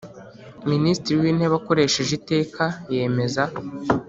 Minisitiri w intebe akoresheje iteka yemeza